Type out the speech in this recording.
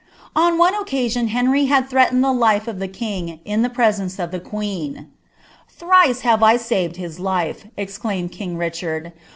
On one occasion Henry had threatened the life of tlie king in the presence of the quncn. Tlince have I saved hia life !" exclaimed king Richard.